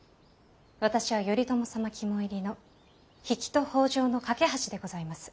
私は頼朝様肝煎りの比企と北条の懸け橋でございます。